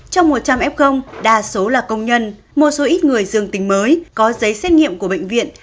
trong một trăm linh f đa số là công nhân một số ít người dương tính mới có giấy xét nghiệm của bệnh viện